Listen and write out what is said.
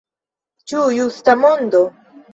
Ĉu justa mondo?